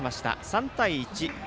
３対１。